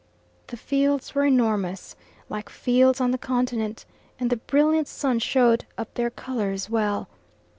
The fields were enormous, like fields on the Continent, and the brilliant sun showed up their colours well.